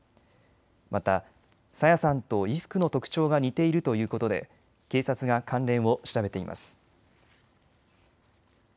また朝芽さんと衣服の特徴が似ているということで警察が関連を調べています。